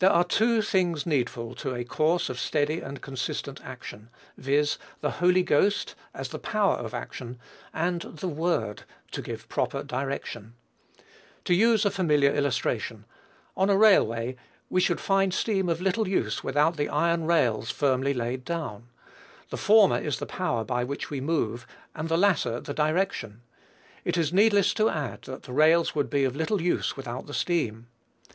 There are two things needful to a course of steady and consistent action, viz., the Holy Ghost, as the power of action, and the word to give proper direction. To use a familiar illustration: on a railway, we should find steam of little use without the iron rails firmly laid down; the former is the power by which we move; and the latter, the direction. It is needless to add that the rails would be of little use without the steam.